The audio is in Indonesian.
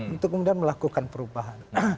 untuk kemudian melakukan perubahan